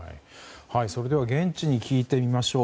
それでは現地に聞いてみましょう。